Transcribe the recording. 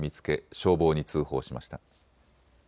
消防に通報しました。